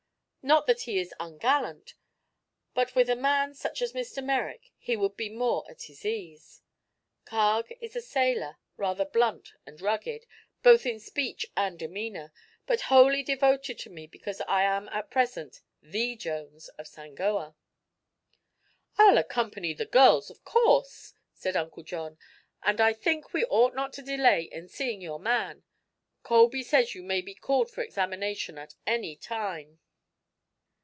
Not that he is ungallant, but with a man such as Mr. Merrick he would be more at his ease. Carg is a sailor, rather blunt and rugged, both in speech and demeanor, but wholly devoted to me because I am at present the Jones of Sangoa." "I'll accompany the girls, of course," said Uncle John; "and I think we ought not to delay in seeing your man. Colby says you may be called for examination at any time."